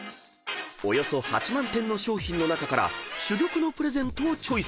［およそ８万点の商品の中から珠玉のプレゼントをチョイス］